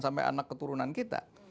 sampai anak keturunan kita